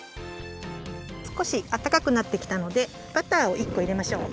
すこしあったかくなってきたのでバターを１こいれましょう。